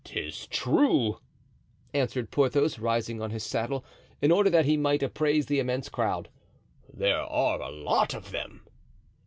"'Tis true," answered Porthos, rising on his saddle, in order that he might appraise the immense crowd, "there are a lot of them."